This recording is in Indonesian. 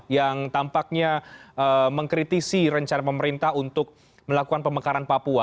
yang tampaknya mengkritisi rencana pemerintah untuk melakukan pemekaran papua